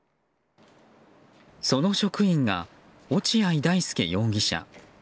その職員が落合大丞容疑者。